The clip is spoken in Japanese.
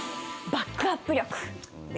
バックアップ。